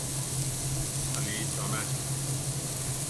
Alíi chónachi.